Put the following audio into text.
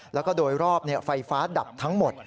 แล้วก็โดยรอบไฟฟ้าดับทั้งหมด